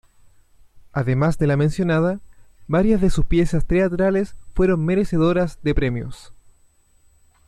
Además de la mencionada, varias de sus piezas teatrales fueron merecedoras de premios.